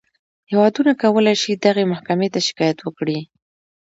هېوادونه کولی شي دغې محکمې ته شکایت وکړي.